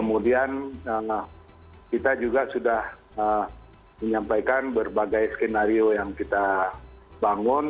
kemudian kita juga sudah menyampaikan berbagai skenario yang kita bangun